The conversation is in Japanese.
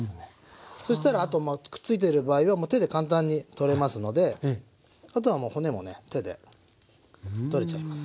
そしたらあとまあくっついてる場合はもう手で簡単に取れますのであとはもう骨もね手で取れちゃいます。